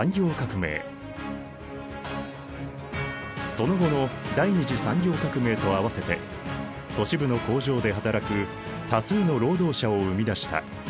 その後の第二次産業革命と併せて都市部の工場で働く多数の労働者を生み出した。